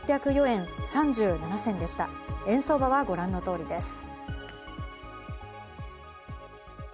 円相場はご覧の通りです。